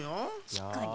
しっかり。